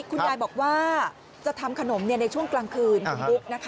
คุณยายบอกว่าจะทำขนมในช่วงกลางคืน